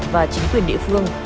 và chính quyền địa phương